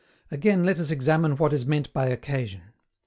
Again, let us examine what is meant by occasion.